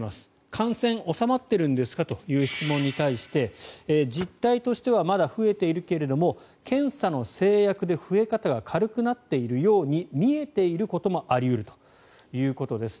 感染、収まってるんですかという質問に対して実態としてはまだ増えているけれども検査の制約で増え方が軽くなっているように見えていることもあり得るということです。